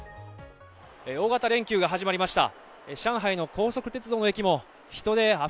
大型連休が始まりました。